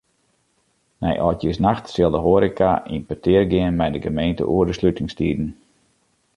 Nei âldjiersnacht sil de hoareka yn petear gean mei de gemeente oer de slutingstiden.